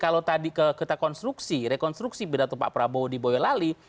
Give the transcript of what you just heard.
kalau tadi kita konstruksi rekonstruksi pidato pak prabowo di boyolali